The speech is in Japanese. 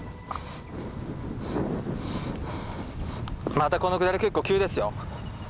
またこの下り結構急ですよ。